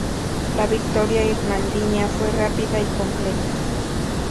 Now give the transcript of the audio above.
La victoria irmandiña fue rápida y completa.